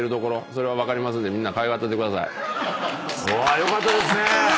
よかったですね。